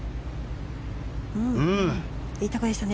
いいところでしたね。